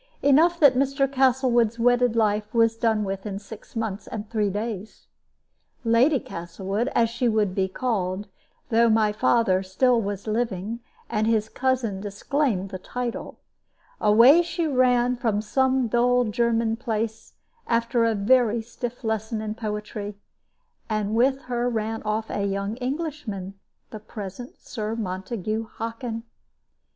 Enough that Mr. Castlewood's wedded life was done with in six months and three days. Lady Castlewood, as she would be called, though my father still was living and his cousin disclaimed the title away she ran from some dull German place, after a very stiff lesson in poetry, and with her ran off a young Englishman, the present Sir Montague Hockin.